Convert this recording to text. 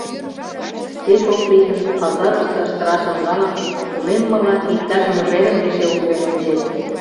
Пеш ок лий гын, пазарыште ыштырашым налын, тунеммыла, иктаж мыжерым эше урген ончет.